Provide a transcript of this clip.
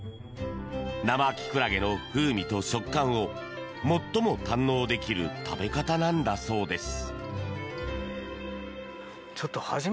生キクラゲの風味と食感を最も堪能できる食べ方なんだそうです。